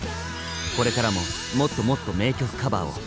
これからももっともっと名曲カバーを！